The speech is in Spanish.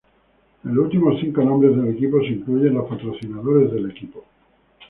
En los últimos cinco nombres de equipo se incluyen los patrocinadores del equipo.